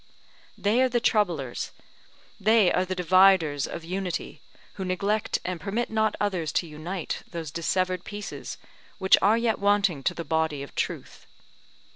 They are the troublers, they are the dividers of unity, who neglect and permit not others to unite those dissevered pieces which are yet wanting to the body of Truth.